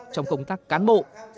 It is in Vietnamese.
trong công tác cán bộ